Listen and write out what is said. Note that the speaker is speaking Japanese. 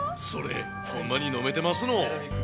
それ、ほんまに飲めてますの？